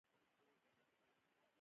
هو ته یې، موږ دواړه یو، یو. ما وویل.